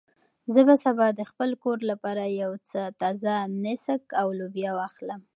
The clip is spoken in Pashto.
زه به سبا د خپل کور لپاره یو څه تازه نېسک او لوبیا واخلم.